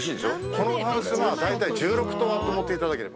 このハウスが、大体１６棟あると思っていただければ。